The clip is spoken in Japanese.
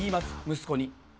息子に。